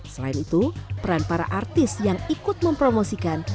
selain itu peran para artis yang ikut mempromosikan